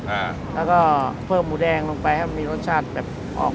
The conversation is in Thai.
อ่าแล้วก็เพิ่มหมูแดงลงไปให้มีรสชาติแบบออก